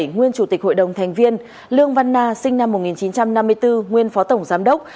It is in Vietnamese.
nguyên chủ tịch hội đồng thành viên lương văn na sinh năm một nghìn chín trăm năm mươi bốn nguyên phó tổng giám đốc